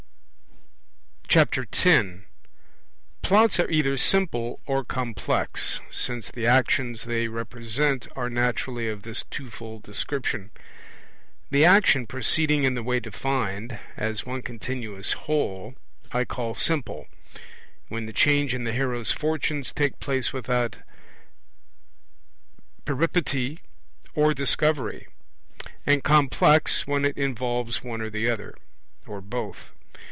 10 Plots are either simple or complex, since the actions they represent are naturally of this twofold description. The action, proceeding in the way defined, as one continuous whole, I call simple, when the change in the hero's fortunes takes place without Peripety or Discovery; and complex, when it involves one or the other, or both.